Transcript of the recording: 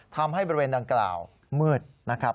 ทำให้บริเวณดังกล่าวมืดนะครับ